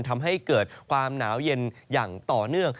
ทำให้เกิดความหนาวเย็นอย่างต่อเนื่อง